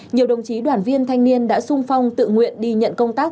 nhiều đồng chí đoàn viên thanh niên đã sung phong tự nguyện đi nhận công tác